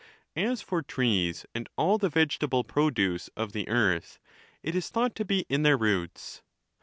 As for trees, and all the vegetable produce of the earth, it is thought to be in their roots.